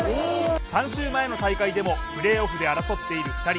３週前の大会でもプレーオフで争っている２人。